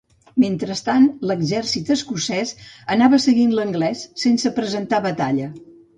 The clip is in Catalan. Mentrestant l'exèrcit escocès anava seguint l'anglès, sense presentar batalla.